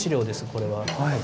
これは。